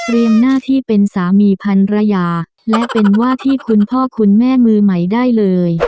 หน้าที่เป็นสามีพันรยาและเป็นว่าที่คุณพ่อคุณแม่มือใหม่ได้เลย